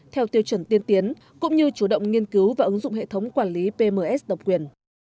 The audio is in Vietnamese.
theo tiêu chuẩn tiên tiến cũng như chủ động nghiên cứu và ứng dụng hệ thống quản lý pms độc quyền